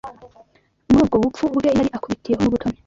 Muri ubwo bupfumu bwe yari akubitiyeho n’ubutoni